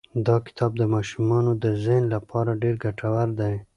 دا کتاب د ماشومانو د ذهن لپاره ډېر ګټور دی.